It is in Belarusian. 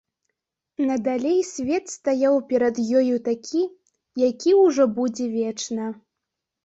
Надалей свет стаяў перад ёю такі, які ўжо будзе вечна.